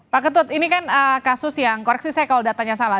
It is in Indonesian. pak ketut ini kan kasus yang koreksi saya kalau datanya salah